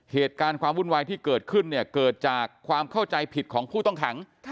เหตุการณ์ความวุ่นวายที่เกิดขึ้นเนี่ยเกิดจากความเข้าใจผิดของผู้ต้องขัง